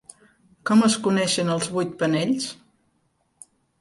Com es coneixen els vuit panells?